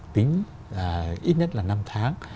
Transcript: tính ít nhất là năm tháng